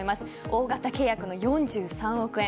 大型契約の４３億円。